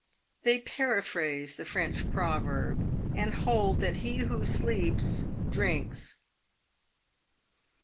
They paraphrase the French proverb, and hold that he who sleeps — drinks.